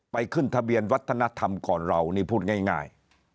ขึ้นทะเบียนวัฒนธรรมก่อนเรานี่พูดง่าย